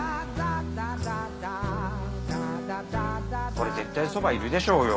これ絶対そば要るでしょうよ。